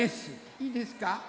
いいですか？